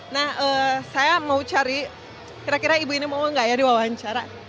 nah saya mau cari kira kira ibu ini mau nggak ya diwawancara